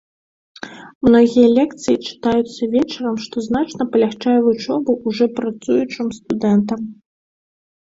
Многія лекцыі чытаюцца ўвечары, што значна палягчае вучобу ўжо працуючым студэнтам.